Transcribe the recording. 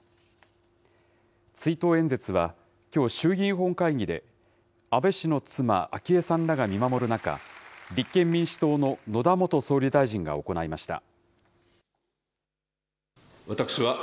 追悼演説はきょう、衆議院本会議で、安倍氏の妻、昭恵さんらが見守る中、立憲民主党の野田元総理大臣が行いました。